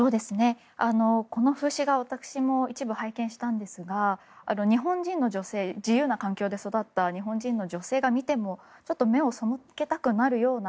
この風刺画、私も一部拝見したんですが日本人の女性自由な環境で育った日本人の女性が見てもちょっと目を背けたくなるような